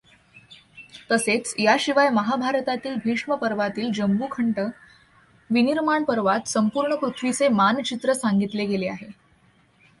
तसेच याशिवाय महाभारतातील भीष्म पर्वातील जंबुखंड, विनिर्माण पर्वात संपूर्ण पृथ्वीचे मानचित्र सांगितले गेले आहे.